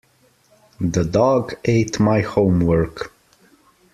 The dog ate my homework.